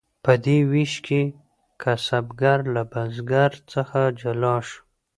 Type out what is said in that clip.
په دې ویش کې کسبګر له بزګر څخه جلا شو.